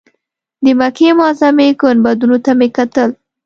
د مکې معظمې ګنبدونو ته مې کتل.